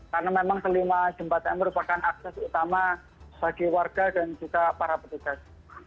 karena memang lima jembatan merupakan akses utama bagi warga dan juga para petugas